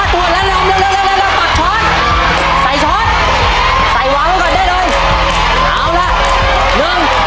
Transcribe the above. ตอนนี้๒คน